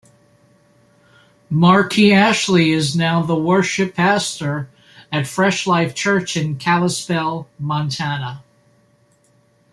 Marquis Ashley is now the worship pastor at Fresh Life Church in Kalispell, Montana.